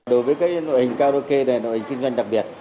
đối với các nội hình karaoke này là nội hình kinh doanh đặc biệt